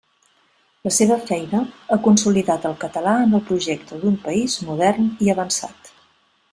La seva feina ha consolidat el català en el projecte d'un país modern i avançat.